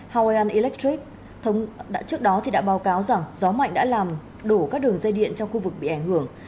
hawaian electric trước đó đã báo cáo rằng gió mạnh đã làm đổ các đường dây điện trong khu vực bị ảnh hưởng